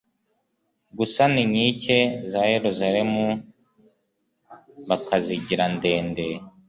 gusana inkike za yeruzalemu bakazigira ndende